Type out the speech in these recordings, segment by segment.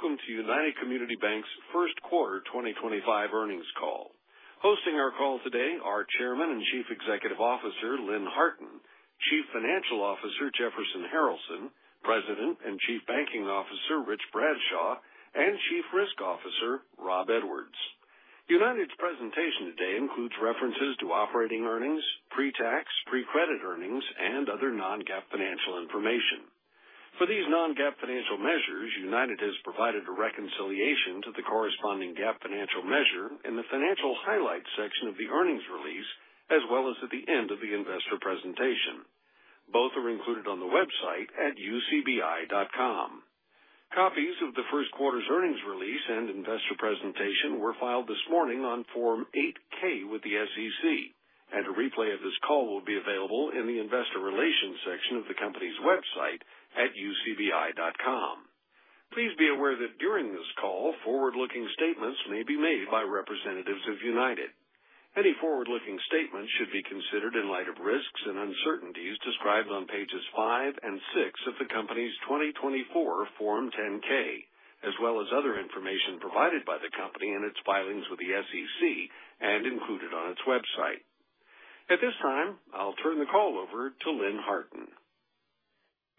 Good morning and welcome to United Community Banks' first quarter 2025 earnings call. Hosting our call today are Chairman and Chief Executive Officer Lynn Harton, Chief Financial Officer Jefferson Harralson, President and Chief Banking Officer Rich Bradshaw, and Chief Risk Officer Rob Edwards. United's presentation today includes references to operating earnings, pre-tax, pre-credit earnings, and other non-GAAP financial information. For these non-GAAP financial measures, United has provided a reconciliation to the corresponding GAAP financial measure in the financial highlights section of the earnings release, as well as at the end of the investor presentation. Both are included on the website at ucbi.com. Copies of the first quarter's earnings release and investor presentation were filed this morning on Form 8-K with the SEC, and a replay of this call will be available in the investor relations section of the company's website at ucbi.com. Please be aware that during this call, forward-looking statements may be made by representatives of United. Any forward-looking statements should be considered in light of risks and uncertainties described on pages five and six of the company's 2024 Form 10-K, as well as other information provided by the company in its filings with the SEC and included on its website. At this time, I'll turn the call over to Lynn Harton.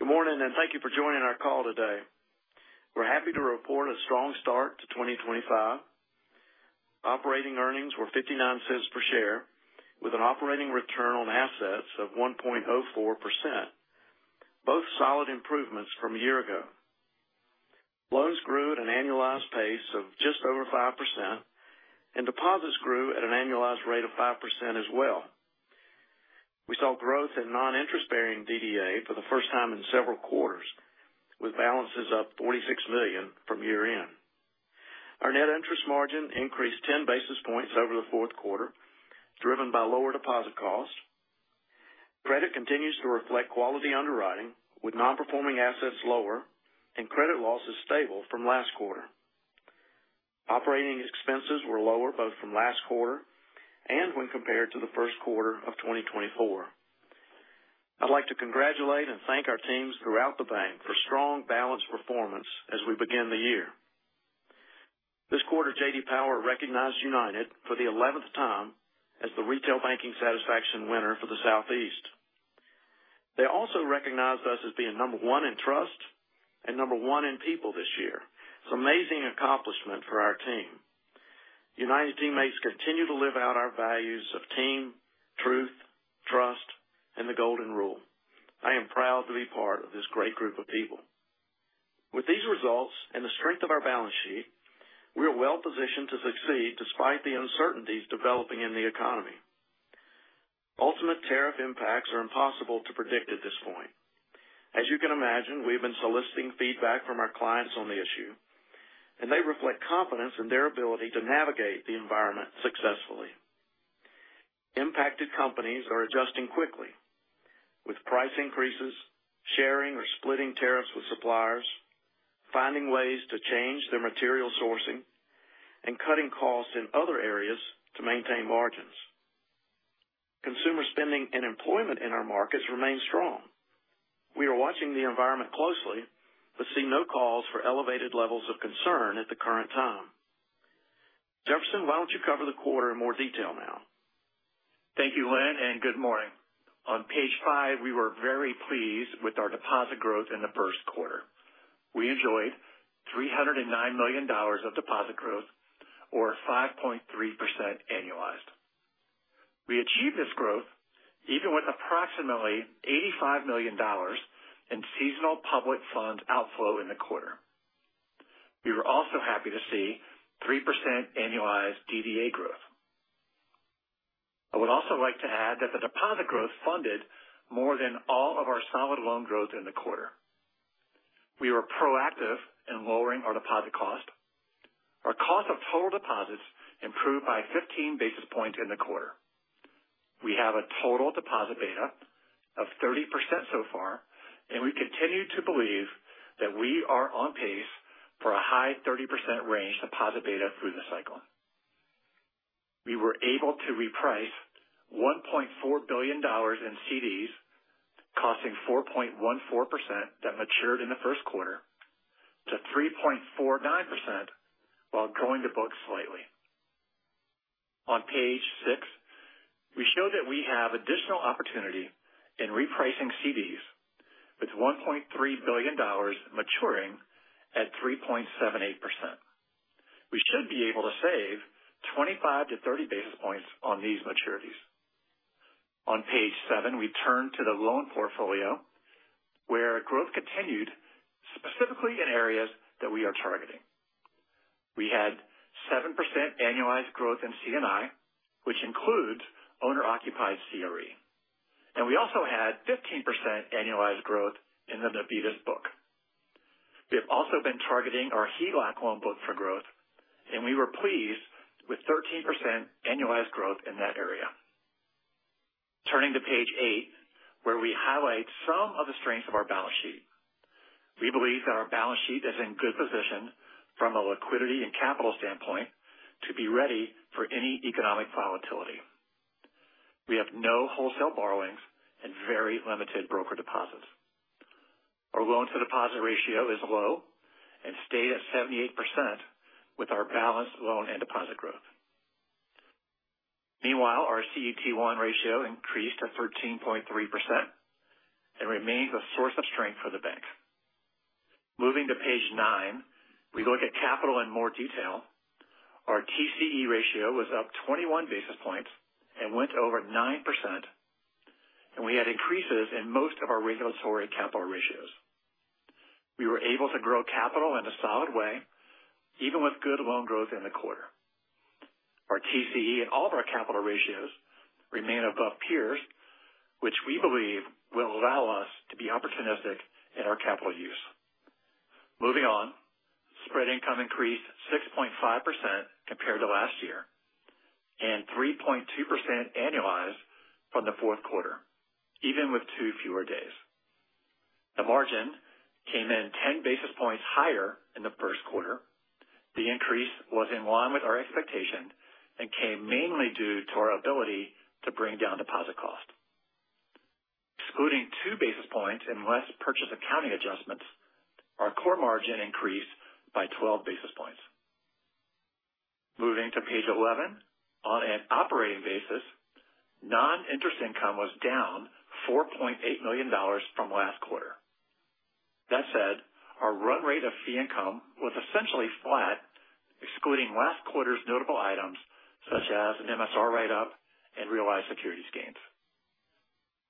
Good morning and thank you for joining our call today. We're happy to report a strong start to 2025. Operating earnings were $0.59 per share with an operating return on assets of 1.04%. Both solid improvements from a year ago. Loans grew at an annualized pace of just over 5%, and deposits grew at an annualized rate of 5% as well. We saw growth in non-interest-bearing DDA for the first time in several quarters, with balances up $46 million from year-end. Our net interest margin increased 10 basis points over the fourth quarter, driven by lower deposit costs. Credit continues to reflect quality underwriting, with non-performing assets lower and credit losses stable from last quarter. Operating expenses were lower both from last quarter and when compared to the first quarter of 2024. I'd like to congratulate and thank our teams throughout the bank for strong balance performance as we begin the year. This quarter, J.D. Power recognized United for the 11th time as the Retail Banking Satisfaction winner for the Southeast. They also recognized us as being Number One in Trust and Number One in People this year. It's an amazing accomplishment for our team. United teammates continue to live out our values of Team, Truth, Trust, and the Golden Rule. I am proud to be part of this great group of people. With these results and the strength of our balance sheet, we are well-positioned to succeed despite the uncertainties developing in the economy. Ultimate tariff impacts are impossible to predict at this point. As you can imagine, we've been soliciting feedback from our clients on the issue, and they reflect confidence in their ability to navigate the environment successfully. Impacted companies are adjusting quickly, with price increases, sharing or splitting tariffs with suppliers, finding ways to change their material sourcing, and cutting costs in other areas to maintain margins. Consumer spending and employment in our markets remain strong. We are watching the environment closely but see no cause for elevated levels of concern at the current time. Jefferson, why don't you cover the quarter in more detail now? Thank you, Lynn, and good morning. On page five, we were very pleased with our deposit growth in the first quarter. We enjoyed $309 million of deposit growth, or 5.3% annualized. We achieved this growth even with approximately $85 million in seasonal public funds outflow in the quarter. We were also happy to see 3% annualized DDA growth. I would also like to add that the deposit growth funded more than all of our solid loan growth in the quarter. We were proactive in lowering our deposit cost. Our cost of total deposits improved by 15 basis points in the quarter. We have a total deposit beta of 30% so far, and we continue to believe that we are on pace for a high 30% range deposit beta through the cycle. We were able to reprice $1.4 billion in CDs costing 4.14% that matured in the first quarter to 3.49% while growing the book slightly. On page six, we show that we have additional opportunity in repricing CDs, with $1.3 billion maturing at 3.78%. We should be able to save 25-30 basis points on these maturities. On page seven, we turned to the loan portfolio, where growth continued specifically in areas that we are targeting. We had 7% annualized growth in C&I, which includes owner-occupied CRE. We also had 15% annualized growth in the Navitas book. We have also been targeting our HELOC loan book for growth, and we were pleased with 13% annualized growth in that area. Turning to page eight, where we highlight some of the strengths of our balance sheet, we believe that our balance sheet is in good position from a liquidity and capital standpoint to be ready for any economic volatility. We have no wholesale borrowings and very limited broker deposits. Our loan-to-deposit ratio is low and stayed at 78% with our balanced loan and deposit growth. Meanwhile, our CET1 ratio increased to 13.3% and remains a source of strength for the bank. Moving to page nine, we look at capital in more detail. Our TCE ratio was up 21 basis points and went over 9%, and we had increases in most of our regulatory capital ratios. We were able to grow capital in a solid way, even with good loan growth in the quarter. Our TCE and all of our capital ratios remain above peers, which we believe will allow us to be opportunistic in our capital use. Moving on, spread income increased 6.5% compared to last year and 3.2% annualized from the fourth quarter, even with two fewer days. The margin came in 10 basis points higher in the first quarter. The increase was in line with our expectation and came mainly due to our ability to bring down deposit cost. Excluding two basis points and less purchase accounting adjustments, our core margin increased by 12 basis points. Moving to page 11, on an operating basis, non-interest income was down $4.8 million from last quarter. That said, our run rate of fee income was essentially flat, excluding last quarter's notable items such as an MSR write-up and realized securities gains.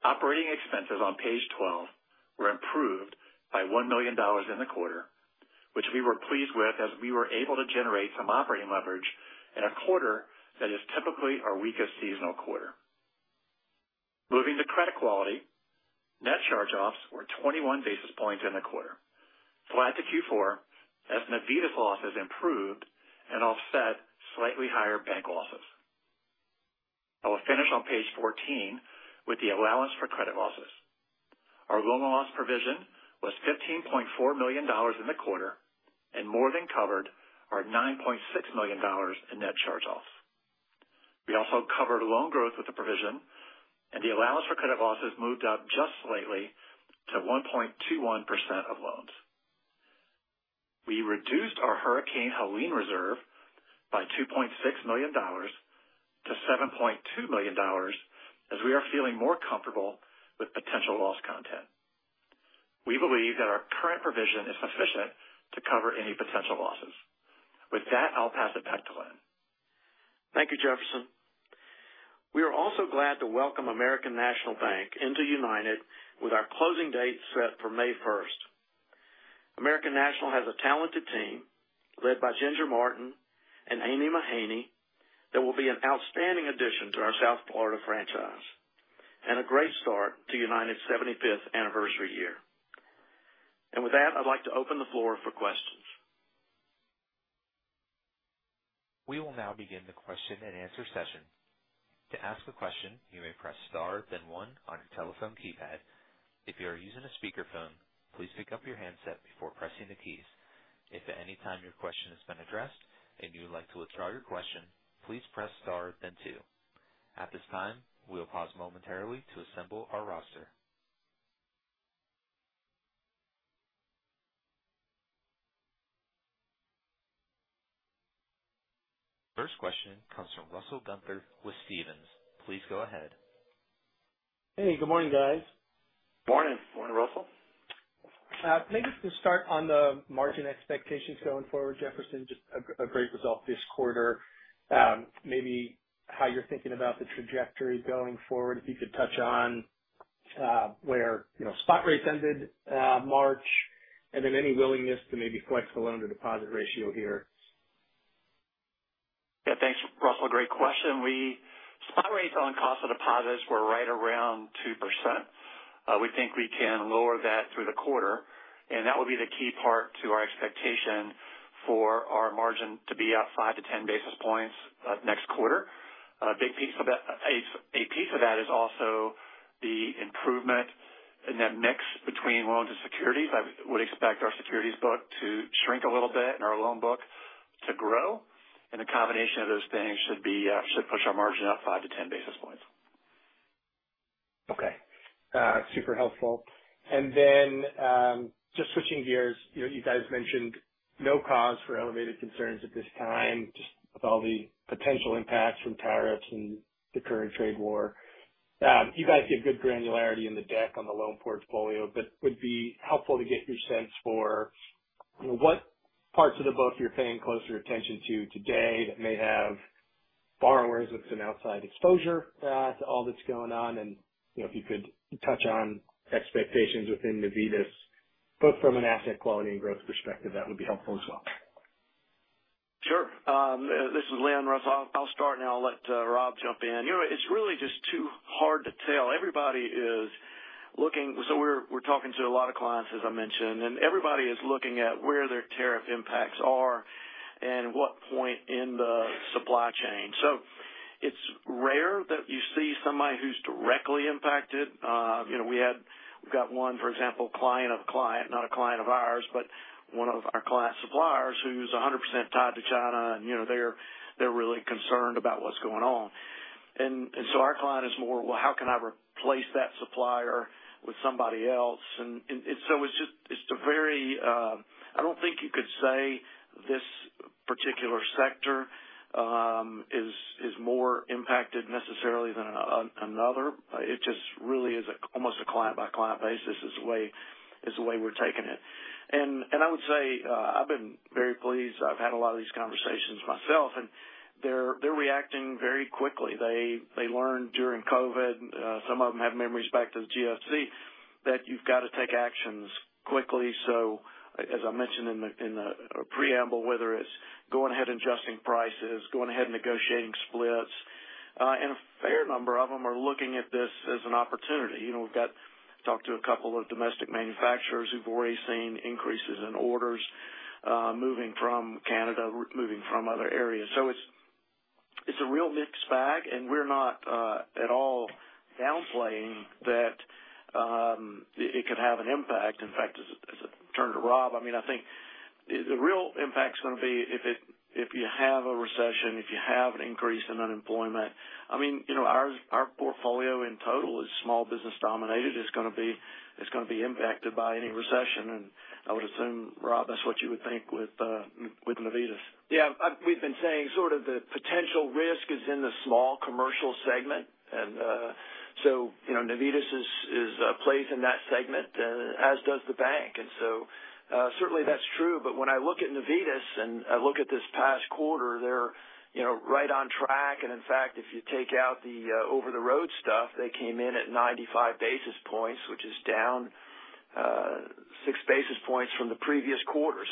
Operating expenses on page 12 were improved by $1 million in the quarter, which we were pleased with as we were able to generate some operating leverage in a quarter that is typically our weakest seasonal quarter. Moving to credit quality, net charge-offs were 21 basis points in the quarter, flat to Q4 as Navitas losses improved and offset slightly higher bank losses. I will finish on page 14 with the allowance for credit losses. Our loan loss provision was $15.4 million in the quarter and more than covered our $9.6 million in net charge-offs. We also covered loan growth with the provision, and the allowance for credit losses moved up just slightly to 1.21% of loans. We reduced our Hurricane Helene reserve by $2.6 million to $7.2 million as we are feeling more comfortable with potential loss content. We believe that our current provision is sufficient to cover any potential losses. With that, I'll pass it back to Lynn. Thank you, Jefferson. We are also glad to welcome American National Bank into United with our closing date set for May 1st. American National has a talented team led by Ginger Martin and Amy Mahaney that will be an outstanding addition to our South Florida franchise and a great start to United's 75th anniversary year. With that, I'd like to open the floor for questions. We will now begin the question and answer session. To ask a question, you may press star, then one on your telephone keypad. If you are using a speakerphone, please pick up your handset before pressing the keys. If at any time your question has been addressed and you would like to withdraw your question, please press star, then two. At this time, we'll pause momentarily to assemble our roster. First question comes from Russell Gunther with Stephens. Please go ahead. Hey, good morning, guys. Morning. Morning, Russell. Maybe to start on the margin expectations going forward, Jefferson, just a great result this quarter. Maybe how you're thinking about the trajectory going forward, if you could touch on where spot rates ended March and then any willingness to maybe flex the loan-to-deposit ratio here. Yeah, thanks, Russell. Great question. Spot rates on cost of deposits were right around 2%. We think we can lower that through the quarter, and that will be the key part to our expectation for our margin to be up 5-10 basis points next quarter. A big piece of that is also the improvement in that mix between loans and securities. I would expect our securities book to shrink a little bit and our loan book to grow. The combination of those things should push our margin up 5-10 basis points. Okay. Super helpful. Then just switching gears, you guys mentioned no cause for elevated concerns at this time, just with all the potential impacts from tariffs and the current trade war. You guys give good granularity in the deck on the loan portfolio, but it would be helpful to get your sense for what parts of the book you're paying closer attention to today that may have borrowers with some outside exposure to all that's going on. If you could touch on expectations within Navitas, both from an asset quality and growth perspective, that would be helpful as well. Sure. This is Lynn Harton. I'll start, and I'll let Rob jump in. It's really just too hard to tell. Everybody is looking—so we're talking to a lot of clients, as I mentioned—and everybody is looking at where their tariff impacts are and what point in the supply chain. It's rare that you see somebody who's directly impacted. We've got one, for example, client of a client, not a client of ours, but one of our client suppliers who's 100% tied to China, and they're really concerned about what's going on. Our client is more, "How can I replace that supplier with somebody else?" It's just a very—I don't think you could say this particular sector is more impacted necessarily than another. It just really is almost a client-by-client basis is the way we're taking it. I would say I've been very pleased. I've had a lot of these conversations myself, and they're reacting very quickly. They learned during COVID—some of them have memories back to the GFC—that you've got to take actions quickly. As I mentioned in the preamble, whether it's going ahead and adjusting prices, going ahead and negotiating splits, and a fair number of them are looking at this as an opportunity. We've talked to a couple of domestic manufacturers who've already seen increases in orders moving from Canada, moving from other areas. It's a real mixed bag, and we're not at all downplaying that it could have an impact. In fact, as I turn to Rob, I mean, I think the real impact's going to be if you have a recession, if you have an increase in unemployment. I mean, our portfolio in total is small business dominated. It's going to be impacted by any recession. I would assume, Rob, that's what you would think with Navitas. Yeah. We've been saying sort of the potential risk is in the small commercial segment. Navitas is a place in that segment, as does the bank. Certainly that's true. When I look at Navitas and I look at this past quarter, they're right on track. In fact, if you take out the over-the-road stuff, they came in at 95 basis points, which is down 6 basis points from the previous quarter.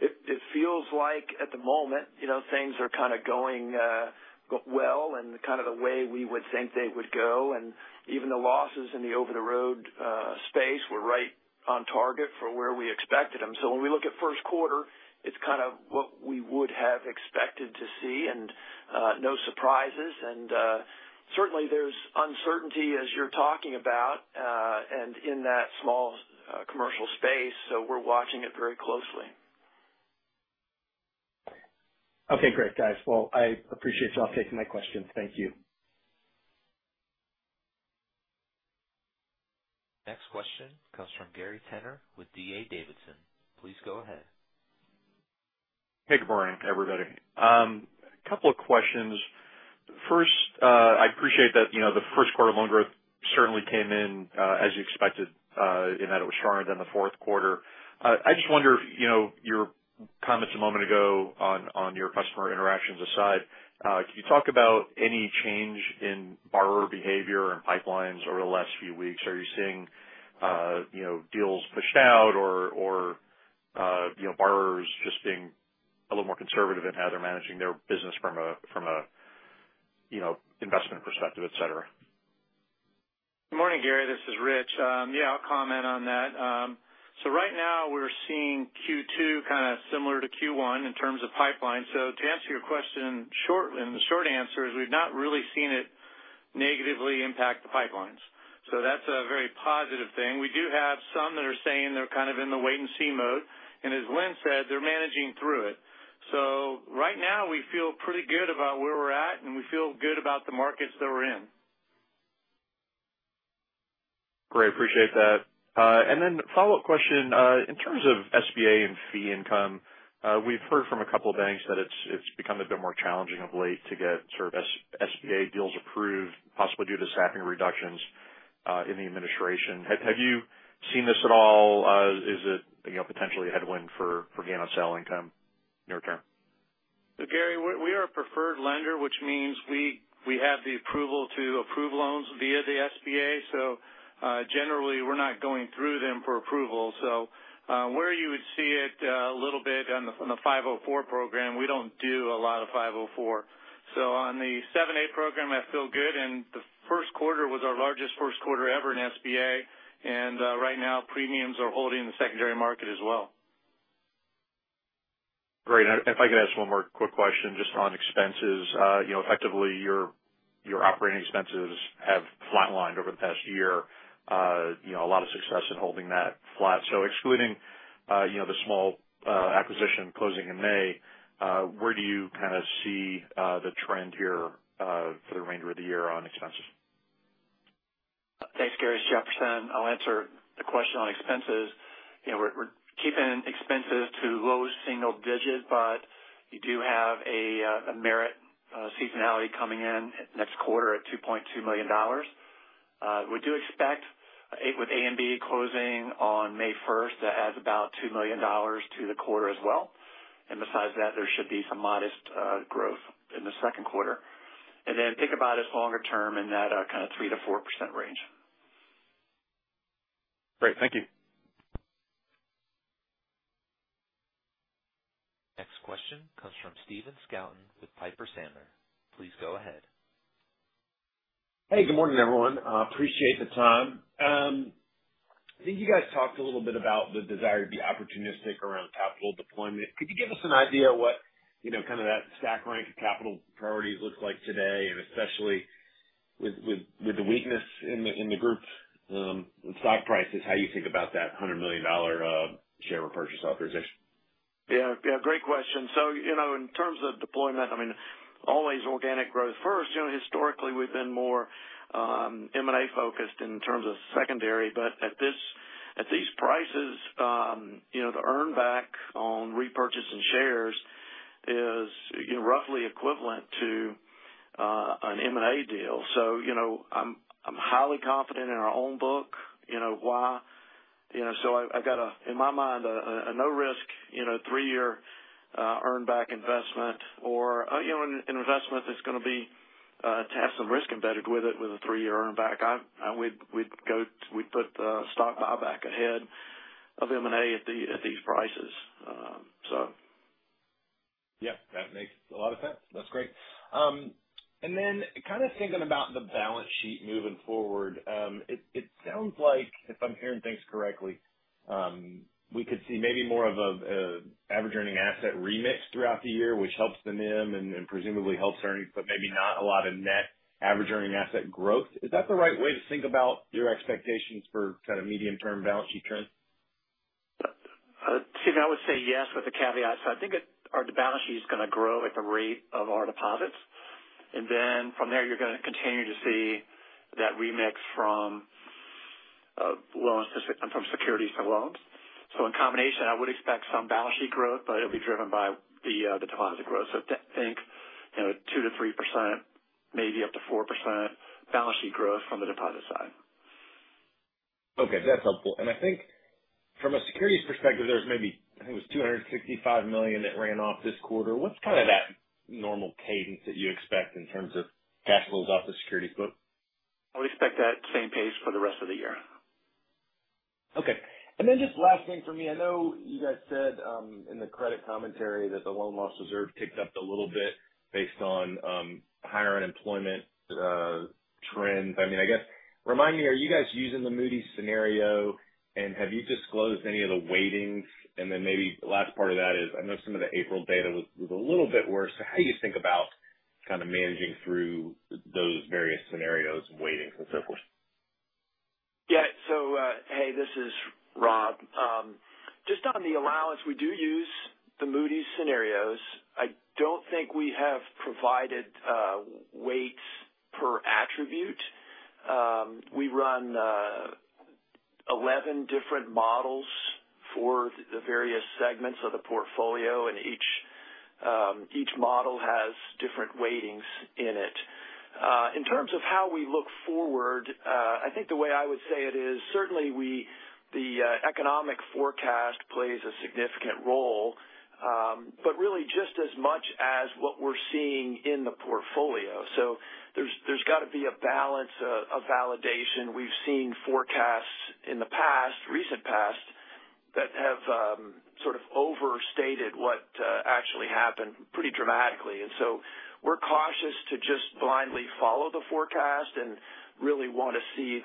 It feels like at the moment, things are kind of going well in kind of the way we would think they would go. Even the losses in the over-the-road space were right on target for where we expected them. When we look at first quarter, it's kind of what we would have expected to see, and no surprises. There is uncertainty, as you're talking about, in that small commercial space. We are watching it very closely. Okay. Great, guys. I appreciate y'all taking my questions. Thank you. Next question comes from Gary Tenner with DA Davidson. Please go ahead. Hey, good morning, everybody. A couple of questions. First, I appreciate that the first quarter loan growth certainly came in as you expected in that it was stronger than the fourth quarter. I just wonder if your comments a moment ago on your customer interactions aside, can you talk about any change in borrower behavior and pipelines over the last few weeks? Are you seeing deals pushed out or borrowers just being a little more conservative in how they're managing their business from an investment perspective, etc.? Good morning, Gary. This is Rich. Yeah, I'll comment on that. Right now, we're seeing Q2 kind of similar to Q1 in terms of pipeline. To answer your question in the short answer, we've not really seen it negatively impact the pipelines. That's a very positive thing. We do have some that are saying they're kind of in the wait-and-see mode. As Lynn said, they're managing through it. Right now, we feel pretty good about where we're at, and we feel good about the markets that we're in. Great. Appreciate that. Then follow-up question. In terms of SBA and fee income, we've heard from a couple of banks that it's become a bit more challenging of late to get sort of SBA deals approved, possibly due to staffing reductions in the administration. Have you seen this at all? Is it potentially a headwind for gain on sale income near term? Gary, we are a preferred lender, which means we have the approval to approve loans via the SBA. Generally, we're not going through them for approval. Where you would see it a little bit is on the 504 program. We do not do a lot of 504. On the 7(a) program, I feel good. The first quarter was our largest first quarter ever in SBA. Right now, premiums are holding in the secondary market as well. Great. If I could ask one more quick question just on expenses. Effectively, your operating expenses have flatlined over the past year. A lot of success in holding that flat. Excluding the small acquisition closing in May, where do you kind of see the trend here for the remainder of the year on expenses? Thanks, Gary. Jefferson, I'll answer the question on expenses. We're keeping expenses to low single digit, but you do have a merit seasonality coming in next quarter at $2.2 million. We do expect with ANB closing on May 1st, 2025 to add about $2 million to the quarter as well. Besides that, there should be some modest growth in the second quarter. Think about it longer term in that kind of 3%-4% range. Great. Thank you. Next question comes from Stephen Scouten with Piper Sandler. Please go ahead. Hey, good morning, everyone. Appreciate the time. I think you guys talked a little bit about the desire to be opportunistic around capital deployment. Could you give us an idea of what kind of that stack rank of capital priorities looks like today, and especially with the weakness in the group stock prices, how you think about that $100 million share purchase authorization? Yeah. Yeah. Great question. In terms of deployment, I mean, always organic growth first. Historically, we've been more M&A focused in terms of secondary. At these prices, the earnback on repurchasing shares is roughly equivalent to an M&A deal. I'm highly confident in our own book. Why? I've got in my mind a no-risk three-year earnback investment or an investment that's going to have some risk embedded with it with a three-year earnback. We'd put stock buyback ahead of M&A at these prices. Yeah. That makes a lot of sense. That's great. Kind of thinking about the balance sheet moving forward, it sounds like, if I'm hearing things correctly, we could see maybe more of an average earning asset remix throughout the year, which helps the NIM and presumably helps earnings, but maybe not a lot of net average earning asset growth. Is that the right way to think about your expectations for kind of medium-term balance sheet trends? I would say yes, with a caveat. I think the balance sheet is going to grow at the rate of our deposits. From there, you're going to continue to see that remix from securities to loans. In combination, I would expect some balance sheet growth, but it'll be driven by the deposit growth. I think 2%-3%, maybe up to 4% balance sheet growth from the deposit side. Okay. That's helpful. I think from a securities perspective, there's maybe I think it was $265 million that ran off this quarter. What's kind of that normal cadence that you expect in terms of cash flows off the securities book? I would expect that same pace for the rest of the year. Okay. Then just last thing for me. I know you guys said in the credit commentary that the loan loss reserve ticked up a little bit based on higher unemployment trends. I mean, I guess remind me, are you guys using the Moody's scenario? Have you disclosed any of the weightings? Maybe the last part of that is I know some of the April data was a little bit worse. How do you think about kind of managing through those various scenarios and weightings and so forth? Yeah. Hey, this is Rob. Just on the allowance, we do use the Moody's scenarios. I do not think we have provided weights per attribute. We run 11 different models for the various segments of the portfolio, and each model has different weightings in it. In terms of how we look forward, I think the way I would say it is certainly the economic forecast plays a significant role, but really just as much as what we are seeing in the portfolio. There has got to be a balance of validation. We have seen forecasts in the past, recent past, that have sort of overstated what actually happened pretty dramatically. We are cautious to just blindly follow the forecast and really want to see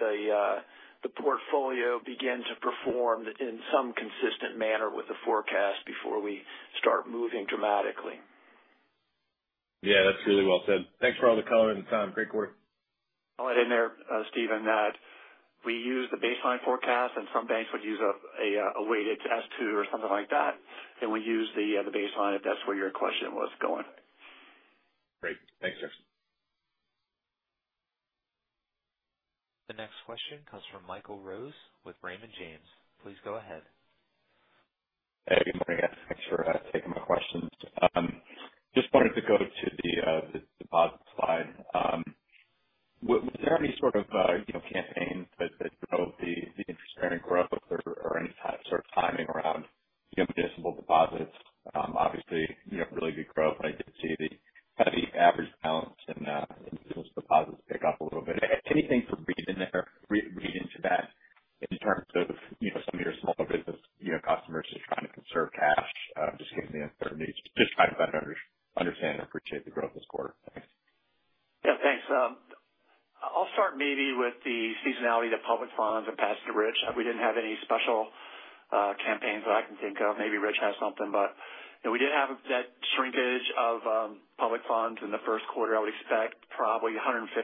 the portfolio begin to perform in some consistent manner with the forecast before we start moving dramatically. Yeah. That's really well said. Thanks for all the color and the time. Great quarter. I'll add in there, Stephen, that we use the baseline forecast, and some banks would use a weighted S2 or something like that. We use the baseline if that's where your question was going. Great. Thanks, Jefferson.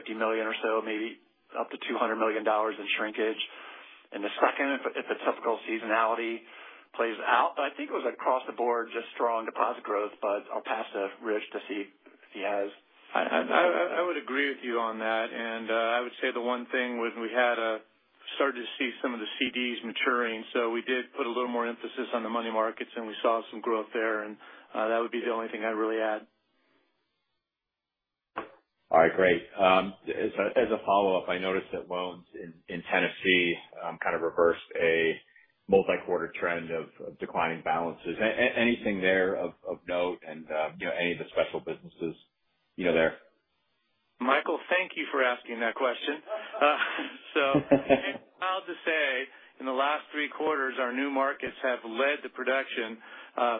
a certain need. Just trying to better understand and appreciate the growth this quarter. Thanks. Yeah. Thanks. I'll start maybe with the seasonality of public funds and pass it to Rich. We didn't have any special campaigns that I can think of. Maybe Rich has something. We did have that shrinkage of public funds in the first quarter. I would expect probably $150 million or so, maybe up to $200 million in shrinkage in the second if the typical seasonality plays out. I think it was across the board just strong deposit growth, but I'll pass to Rich to see if he has. I would agree with you on that. I would say the one thing was we had started to see some of the CDs maturing. We did put a little more emphasis on the money markets, and we saw some growth there. That would be the only thing I'd really add. All right. Great. As a follow-up, I noticed that loans in Tennessee kind of reversed a multi-quarter trend of declining balances. Anything there of note and any of the special businesses there? Michael, thank you for asking that question. It's wild to say in the last three quarters, our new markets have led the production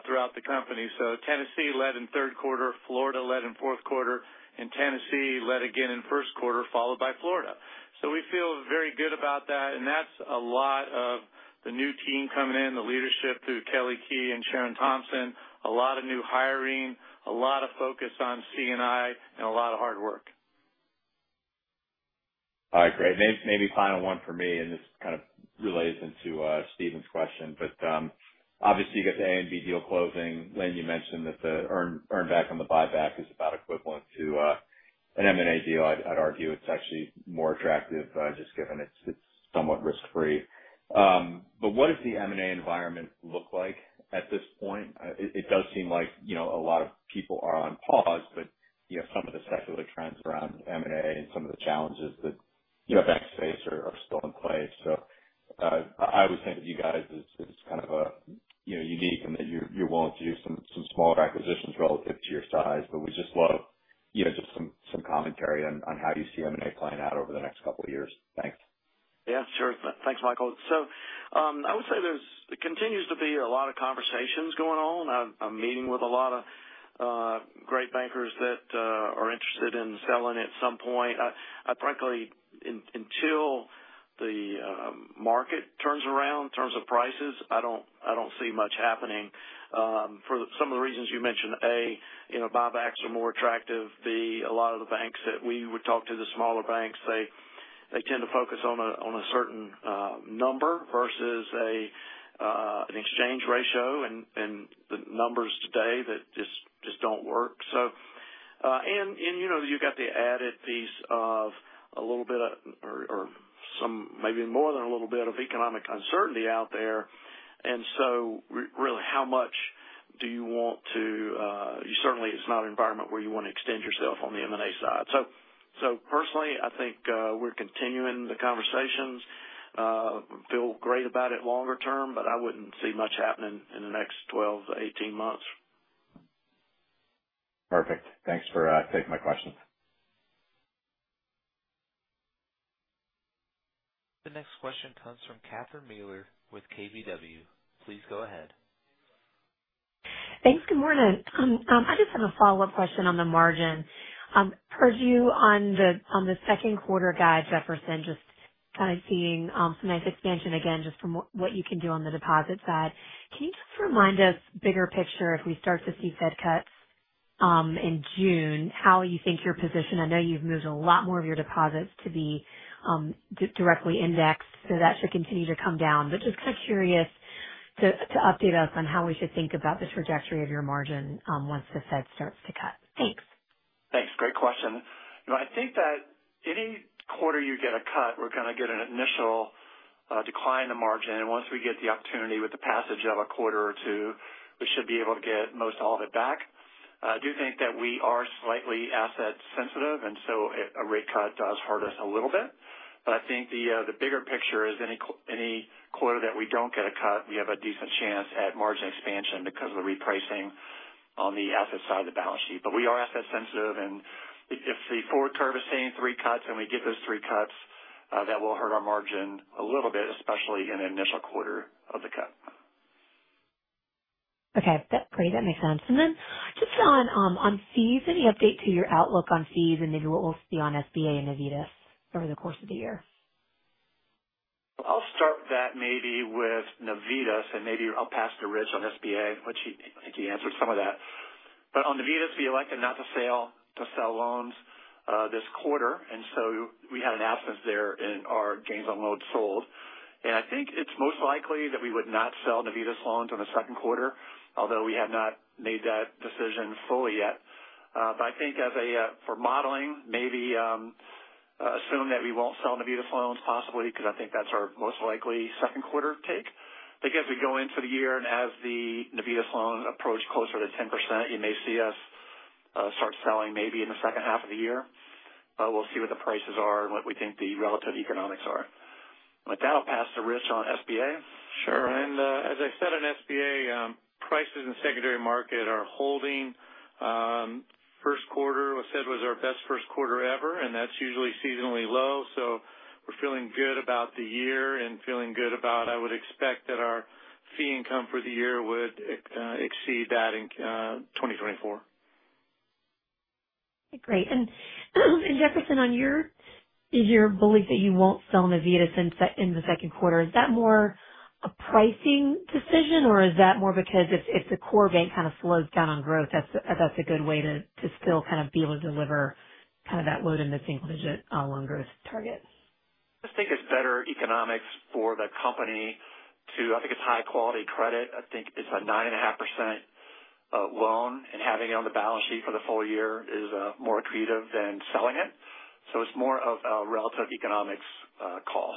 throughout the company. Tennessee led in third quarter, Florida led in fourth quarter, and Tennessee led again in first quarter, followed by Florida. We feel very good about that. That's a lot of the new team coming in, the leadership through Kelly Key and Sharon Thompson, a lot of new hiring, a lot of focus on C&I, and a lot of hard work. All right. Great. Maybe final one for me, and this kind of relates into Steven's question. Obviously, you get the ANB deal closing. Lynn, you mentioned that the earnback on the buyback is about equivalent to an M&A deal. I'd argue it's actually more attractive just given it's somewhat risk-free. What does the M&A environment look like at this point? It does seem like a lot of people are on pause, but some of the secular trends around M&A and some of the challenges that banks face are still in place. I always think of you guys as kind of unique in that you're willing to do some smaller acquisitions relative to your size. We just love just some commentary on how you see M&A playing out over the next couple of years. Thanks. Yeah. Sure. Thanks, Michael. I would say there continues to be a lot of conversations going on. I'm meeting with a lot of great bankers that are interested in selling at some point. Frankly, until the market turns around in terms of prices, I don't see much happening for some of the reasons you mentioned. A, buybacks are more attractive. B, a lot of the banks that we would talk to, the smaller banks, they tend to focus on a certain number versus an exchange ratio. The numbers today just don't work. You've got the added piece of a little bit or maybe more than a little bit of economic uncertainty out there. Really, how much do you want to certainly, it's not an environment where you want to extend yourself on the M&A side. Personally, I think we're continuing the conversations. I feel great about it longer term, but I wouldn't see much happening in the next 12-18 months. Perfect. Thanks for taking my questions. The next question comes from Catherine Mealor with KBW. Please go ahead. Thanks. Good morning. I just have a follow-up question on the margin. Per view on the second quarter guide, Jefferson, just kind of seeing some nice expansion again just from what you can do on the deposit side. Can you just remind us, bigger picture, if we start to see Fed cuts in June, how you think your position? I know you've moved a lot more of your deposits to be directly indexed. That should continue to come down. Just kind of curious to update us on how we should think about the trajectory of your margin once the Fed starts to cut. Thanks. Thanks. Great question. I think that any quarter you get a cut, we're going to get an initial decline in the margin. Once we get the opportunity with the passage of a quarter or two, we should be able to get most all of it back. I do think that we are slightly asset-sensitive, and so a rate cut does hurt us a little bit. I think the bigger picture is any quarter that we do not get a cut, we have a decent chance at margin expansion because of the repricing on the asset side of the balance sheet. We are asset-sensitive. If the forward curve is saying three cuts and we get those three cuts, that will hurt our margin a little bit, especially in the initial quarter of the cut. Okay. Great. That makes sense. Any update to your outlook on fees and maybe what we'll see on SBA and Navitas over the course of the year? I'll start that maybe with Navitas, and maybe I'll pass to Rich on SBA, which I think he answered some of that. On Navitas, we elected not to sell loans this quarter. We had an absence there in our gains on loans sold. I think it's most likely that we would not sell Navitas loans in the second quarter, although we have not made that decision fully yet. For modeling, maybe assume that we won't sell Navitas loans possibly because I think that's our most likely second quarter take. As we go into the year and as the Navitas loan approach closer to 10%, you may see us start selling maybe in the second half of the year. We'll see what the prices are and what we think the relative economics are. With that, I'll pass to Rich on SBA. Sure. As I said, on SBA, prices in the secondary market are holding. First quarter, I said, was our best first quarter ever, and that's usually seasonally low. We are feeling good about the year and feeling good about I would expect that our fee income for the year would exceed that in 2024. Great. Jefferson, is your belief that you won't sell Navitas in the second quarter, is that more a pricing decision, or is that more because if the core bank kind of slows down on growth, that's a good way to still kind of be able to deliver kind of that low to mid-single-digit loan growth target? I just think it's better economics for the company to, I think it's high-quality credit. I think it's a 9.5% loan, and having it on the balance sheet for the full year is more accretive than selling it. It is more of a relative economics call.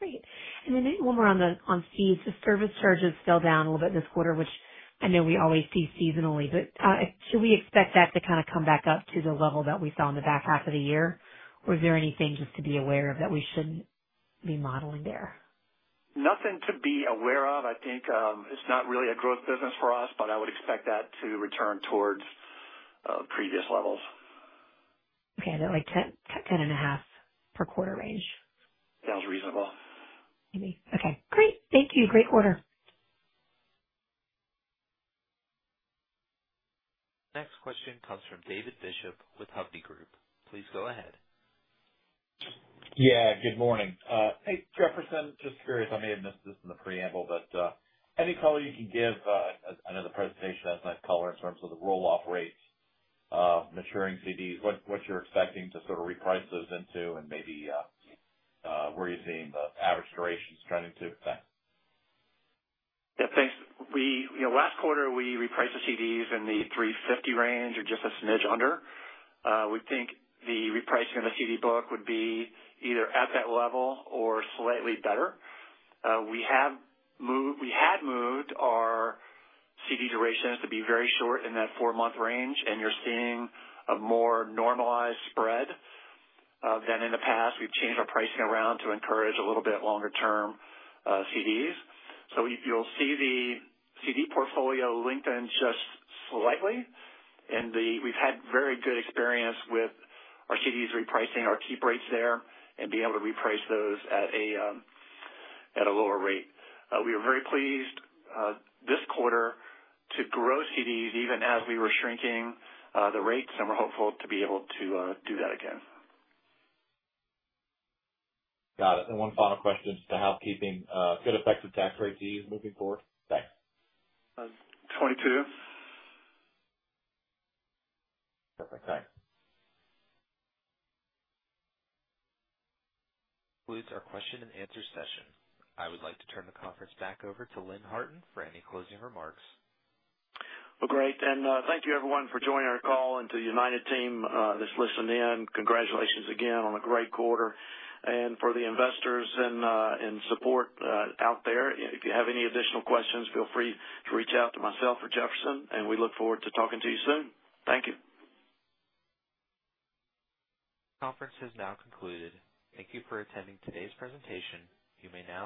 Great. Maybe one more on fees. The service charges fell down a little bit this quarter, which I know we always see seasonally. Should we expect that to kind of come back up to the level that we saw in the back half of the year, or is there anything just to be aware of that we shouldn't be modeling there? Nothing to be aware of. I think it's not really a growth business for us, but I would expect that to return towards previous levels. Okay. I know like $10.5 million per quarter range. Sounds reasonable. Maybe. Okay. Great. Thank you. Great quarter. Next question comes from David Bishop with Hovde Group. Please go ahead. Yeah. Good morning. Hey, Jefferson. Just curious. I may have missed this in the preamble, but any color you can give, I know the presentation has nice color in terms of the roll-off rates, maturing CDs, what you're expecting to sort of reprice those into, and maybe where you're seeing the average durations trending to. Thanks. Yeah. Thanks. Last quarter, we repriced the CDs in the $3.50 range or just a smidge under. We think the repricing of the CD book would be either at that level or slightly better. We had moved our CD durations to be very short in that four-month range, and you're seeing a more normalized spread than in the past. We've changed our pricing around to encourage a little bit longer-term CDs. You will see the CD portfolio lengthen just slightly. We have had very good experience with our CDs repricing our keep rates there and being able to reprice those at a lower rate. We were very pleased this quarter to grow CDs even as we were shrinking the rates, and we're hopeful to be able to do that again. Got it. One final question just to housekeeping. Good effect of tax rates to use moving forward? Thanks. 22. Perfect. Thanks. We'll close our question and answer session. I would like to turn the conference back over to Lynn Harton for any closing remarks. Great. Thank you, everyone, for joining our call and to the United Team that is listening in. Congratulations again on a great quarter. For the investors and support out there, if you have any additional questions, feel free to reach out to myself or Jefferson, and we look forward to talking to you soon. Thank you. Conference has now concluded. Thank you for attending today's presentation. You may now.